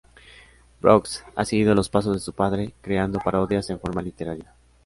Brooks ha seguido los pasos de su padre creando parodias en forma literaria.